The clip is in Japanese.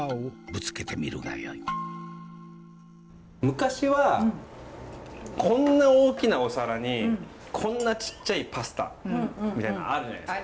昔はこんな大きなお皿にこんなちっちゃいパスタみたいなのあるじゃないですか。